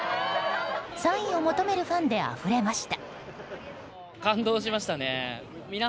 サインを求めるファンであふれました。